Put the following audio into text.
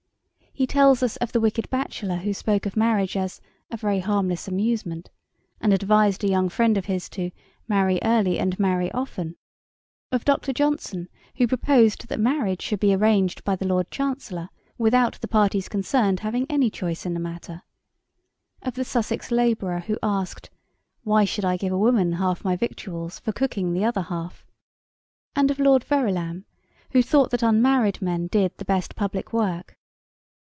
He tells us of the wicked bachelor who spoke of marriage as 'a very harmless amusement' and advised a young friend of his to 'marry early and marry often'; of Dr. Johnson who proposed that marriage should be arranged by the Lord Chancellor, without the parties concerned having any choice in the matter; of the Sussex labourer who asked, 'Why should I give a woman half my victuals for cooking the other half?' and of Lord Verulam who thought that unmarried men did the best public work.